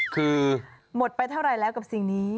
คือหมดไปเท่าไหร่แล้วกับสิ่งนี้